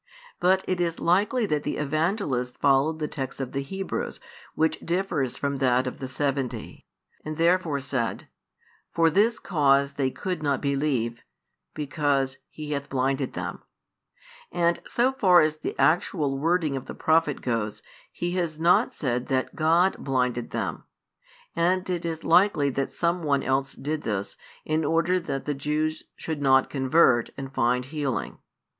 But it is likely that the Evangelist followed the text of the Hebrews, which differs from that of the Seventy, and therefore said: For this cause they could not believe, because: He hath blinded them; and so |161 far as the actual wording of the prophet goes, he has not said that "God" blinded them. And it is likely that some one else did this, in order that the Jews should not convert and find healing.